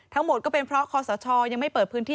ทั้งหมดก็เป็นเพราะคอสชยังไม่เปิดพื้นที่